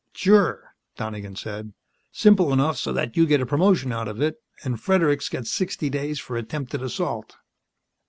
"Sure," Donegan said. "Simple enough so that you get a promotion out of it and Fredericks gets sixty days for attempted assault."